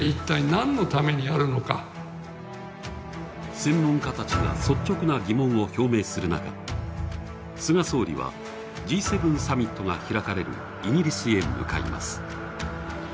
専門家たちが率直な疑問を表明する中菅総理はＧ７サミットが開かれるイギリスへ向かいます。